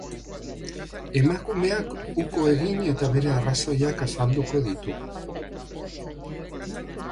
Emakumeak uko egin eta bere arrazoiak azalduko ditu.